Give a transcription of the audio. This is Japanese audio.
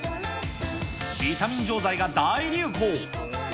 ビタミン錠剤が大流行。